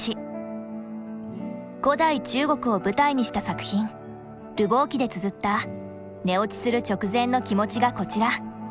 古代中国を舞台にした作品「流亡記」でつづった寝落ちする直前の気持ちがこちら。